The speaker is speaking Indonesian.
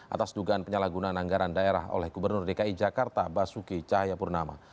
atas dugaan penyalahgunaan anggaran daerah oleh gubernur dki jakarta basuki cahayapurnama